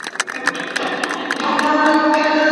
د هلک او نجلۍ معلومات بايد روښانه وي.